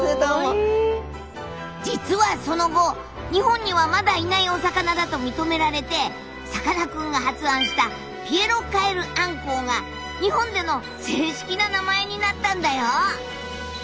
実はその後日本にはまだいないお魚だと認められてさかなクンが発案したピエロカエルアンコウが日本での正式な名前になったんだよ！